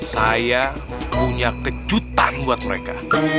saya punya kejutan buat mereka